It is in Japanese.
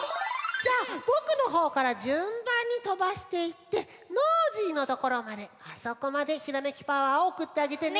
じゃあぼくのほうからじゅんばんにとばしていってノージーのところまであそこまでひらめきパワーをおくってあげてね。